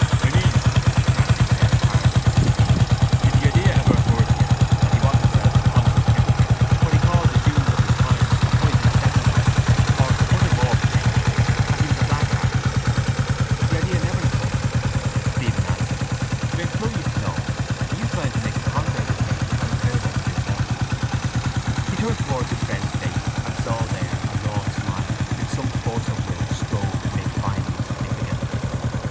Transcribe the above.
—I mean, Cranly said, hardening in his speech, did the idea ever occur to you that he was himself a conscious hypocrite, what he called the jews of his time, a whited sepulchre? Or, to put it more plainly, that he was a blackguard? —That idea never occurred to me, Stephen answered. But I am curious to know are you trying to make a convert of me or a pervert of yourself? He turned towards his friend's face and saw there a raw smile which some force of will strove to make finely significant.